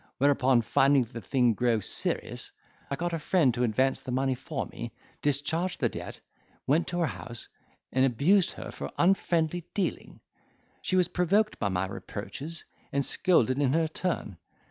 Whereupon, finding the thing grow serious, I got a friend to advance the money for me, discharged the debt, went to her house, and abused her for her unfriendly dealing. She was provoked by my reproaches, and scolded in her turn.